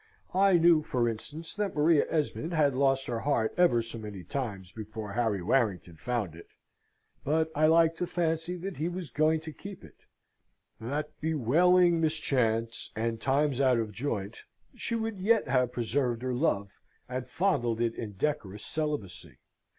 I knew, for instance, that Maria Esmond had lost her heart ever so many times before Harry Warrington found it; but I like to fancy that he was going to keep it; that, bewailing mischance and times out of joint, she would yet have preserved her love, and fondled it in decorous celibacy.